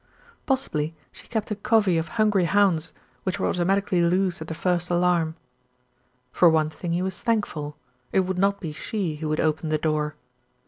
Possibly she kept a covey of hungry hounds, which were automatically loosed at the first alarm. For one thing he was thankful, it would not be she who would open the door.